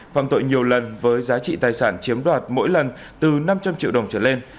phạm tội nhiều lần với giá trị tài sản chiếm đoạt mỗi lần từ năm trăm linh triệu đồng trở lên